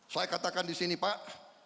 saya katakan di sini pak